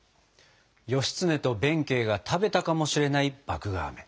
義経と弁慶が食べたかもしれない麦芽あめ。